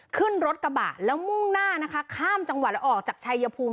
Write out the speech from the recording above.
ขึ้นรถกระบะแล้วมุ่งหน้านะคะข้ามจังหวัดแล้วออกจากชายภูมิ